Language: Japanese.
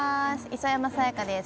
磯山さやかです。